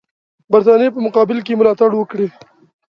برټانیې په مقابل کې یې ملاتړ وکړي.